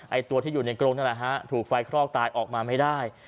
ตัวที่อยู่ในกรงนั่นแหละฮะถูกไฟคลอกตายออกมาไม่ได้